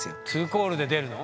２コールで出るの？